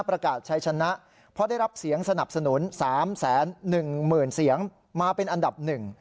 ประกาศใช้ชนะเพราะได้รับเสียงสนับสนุน๓๑๐๐๐เสียงมาเป็นอันดับหนึ่ง